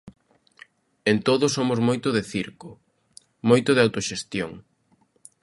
En todo somos moito de circo, moito de autoxestión.